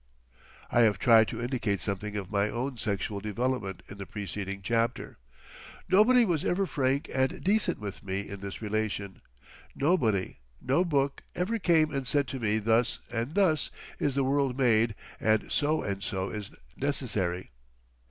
I have tried to indicate something of my own sexual development in the preceding chapter. Nobody was ever frank and decent with me in this relation; nobody, no book, ever came and said to me thus and thus is the world made, and so and so is necessary.